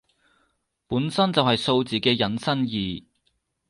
本身就係數字嘅引申義